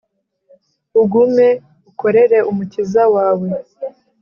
ugume ukorere umukiza wawe